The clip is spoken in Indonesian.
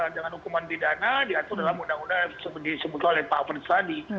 dengan hukuman pidana diatur dalam undang undang seperti disebut oleh pak overt tadi